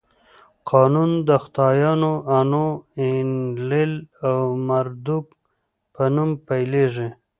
قانون د خدایانو آنو، اینلیل او مردوک په نوم پیلېږي.